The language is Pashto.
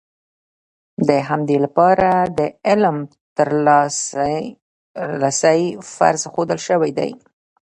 د همدې لپاره د علم ترلاسی فرض ښودل شوی دی.